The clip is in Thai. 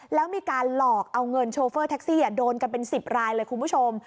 แล้วมีการหลอกเอาเงินโชเฟอร์แท็กซี่โดนกันเป็น๑๐รายเลยคุณผู้ชม